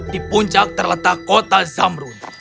di puncak terletak kota zamrun